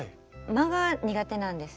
間が苦手なんですね